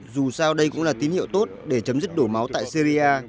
dù sao đây cũng là tín hiệu tốt để chấm dứt đổ máu tại syria